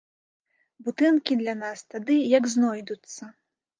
Будынкі для нас тады як знойдуцца.